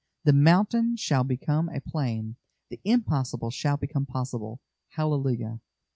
The mountain shall become a plain; the impossible shall become possible. Hallelujah!"